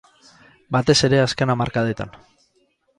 Batez ere azken hamarkadetan.